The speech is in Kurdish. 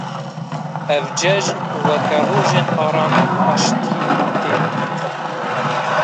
Ev ceijn weke rojên aramî û aşîtiyê tên dîtin.